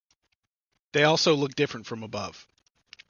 They also look different from above.